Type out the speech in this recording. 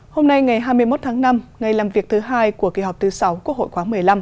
hôm nay ngày hai mươi một tháng năm ngày làm việc thứ hai của kỳ họp thứ sáu quốc hội khóa một mươi năm